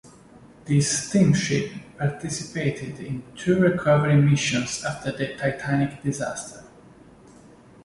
This steamship participated in two recovery missions after the "Titanic" disaster.